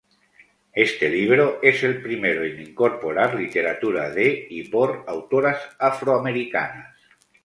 Este libro es el primero en incorporar literatura de y por autoras afroamericanas.